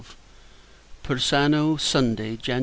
Persano, Sunday, Jan.